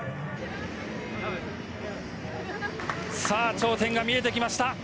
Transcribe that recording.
さあ頂点が見えてきました。